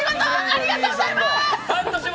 ありがとうございます。